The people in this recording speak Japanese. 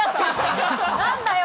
何だよ！